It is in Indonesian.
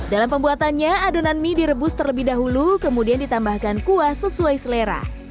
dalam pembuatannya adonan mie direbus terlebih dahulu kemudian ditambahkan kuah sesuai selera